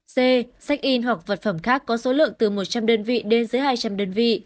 c sách in hoặc vật phẩm khác có số lượng từ một trăm linh đơn vị đến dưới một trăm linh ảnh